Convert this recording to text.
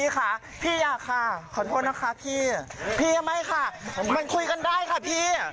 ขอโทษนะครับค่ะพี่พี่อะไหมคะมันคุยกันได้ค่ะพี่